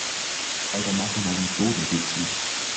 Alter, mach doch mal den Klodeckel zu!